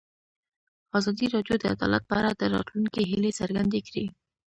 ازادي راډیو د عدالت په اړه د راتلونکي هیلې څرګندې کړې.